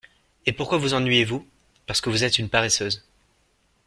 Et pourquoi vous ennuyez-vous ? parce que vous êtes une paresseuse.